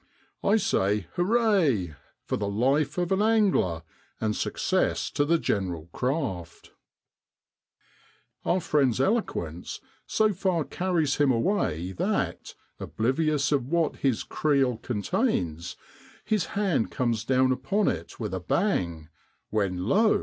I say Hooray! for the life of an angler, and success to the general craft !' Our friend's eloquence so far carries him away that, oblivious of what his creel contains, his hand comes down upon it with a bang, when lo!